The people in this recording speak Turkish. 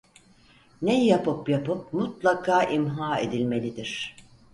Ne yapıp yapıp, mutlaka imha edilmelidir!